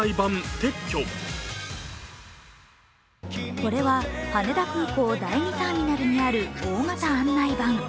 これは羽田空港第２ターミナルにある大型案内板。